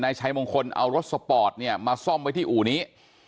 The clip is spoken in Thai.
ชัยมงคลเอารถสปอร์ตเนี่ยมาซ่อมไว้ที่อู่นี้